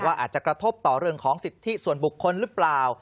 อาจจะกระทบต่อเรื่องของสิทธิส่วนบุคคลหรือเปล่า